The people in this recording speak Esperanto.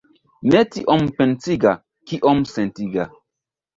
Ne tiom pensiga, kiom sentiga.